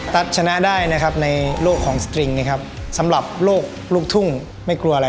ตัดชนะได้ในโลกของสตริงสำหรับโลกลูกทุ่งไม่กลัวอะไร